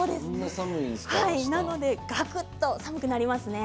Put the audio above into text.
なので、がくっと寒くなりますね。